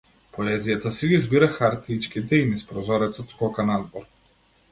Поезијата си ги збира хартиичките и низ прозорецот скока надвор.